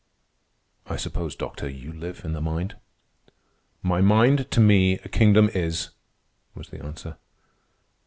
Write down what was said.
I suppose, Doctor, you live in the mind?" "My mind to me a kingdom is," was the answer.